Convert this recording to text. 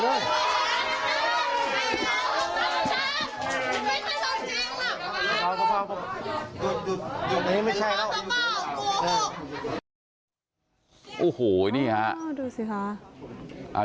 ดูสิคะ